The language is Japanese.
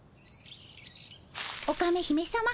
オカメ姫さま。